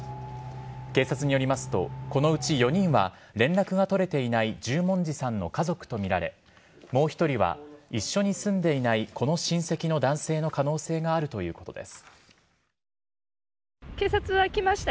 警察によりますとこのうち４人は連絡が取れていない十文字さんの家族とみられもう１人は一緒に住んでいないこの親戚の男性の可能性があるということです。